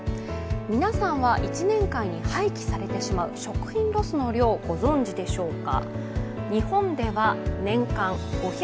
皆さんは１年間に廃棄されてしまう食品ロスの量、ご存じでしょうか。